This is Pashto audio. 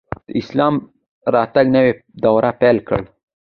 د اسلام راتګ نوی دور پیل کړ